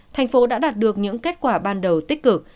tp hcm đã đạt được những kết quả ban đầu tích cực